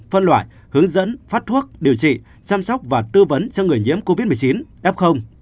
phân loại hướng dẫn phát thuốc điều trị chăm sóc và tư vấn cho người nhiễm covid một mươi chín f